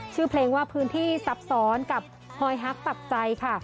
ชื่อเพลงว่าพื้นที่ซับซ้อนกับฮอยฮักตับใจค่ะ